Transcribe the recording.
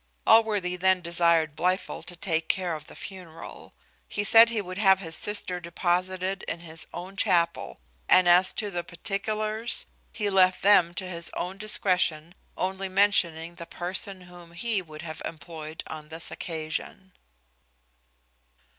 Allworthy then desired Blifil to take care of the funeral. He said, he would have his sister deposited in his own chapel; and as to the particulars, he left them to his own discretion, only mentioning the person whom he would have employed on this occasion.